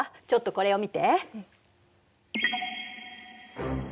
ちょっとこれを見て。